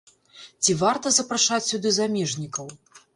Ці варта запрашаць сюды замежнікаў?